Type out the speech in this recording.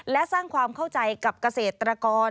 และสร้างความเข้าใจกับเกษตรกร